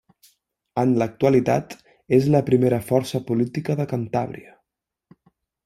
En l'actualitat és la primera força política de Cantàbria.